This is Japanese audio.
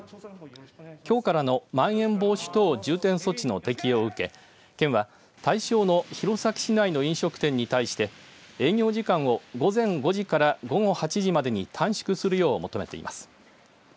きょうからのまん延防止等重点措置の適用を受け県は、対象の弘前市内の飲食店に対して営業時間を午前５時から午後８時までに短縮するよう求めています。